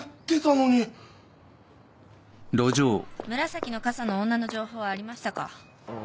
紫の傘の女の情報はありましたか？